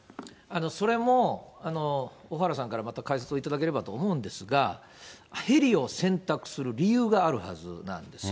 それも小原さんからまた解説をいただければと思うんですが、ヘリを選択する理由があるはずなんです。